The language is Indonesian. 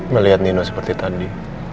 melihat nino seperti tadi